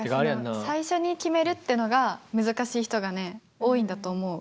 最初に決めるってのが難しい人がね多いんだと思う。